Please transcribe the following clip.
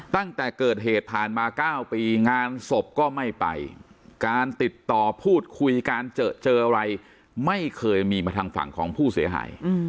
ตั้งแต่เกิดเหตุผ่านมา๙ปีงานศพก็ไม่ไปการติดต่อพูดคุยการเจอเจออะไรไม่เคยมีมาทางฝั่งของผู้เสียหาย